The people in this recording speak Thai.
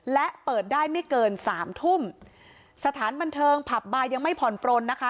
และเปิดได้ไม่เกินสามทุ่มสถานบันเทิงผับบาร์ยังไม่ผ่อนปลนนะคะ